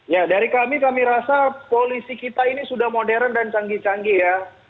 ya dari kami kami rasa polisi kita ini sudah modern dan canggih canggih ya